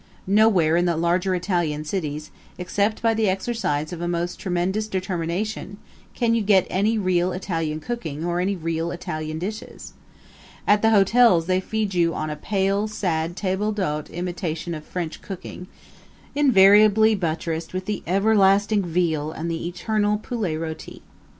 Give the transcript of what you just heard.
Nowhere in the larger Italian cities, except by the exercise of a most tremendous determination, can you get any real Italian cooking or any real Italian dishes. At the hotels they feed you on a pale, sad table d'hote imitation of French cooking, invariably buttressed with the everlasting veal and the eternal poulet roti.